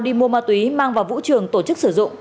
đi mua ma túy mang vào vũ trường tổ chức sử dụng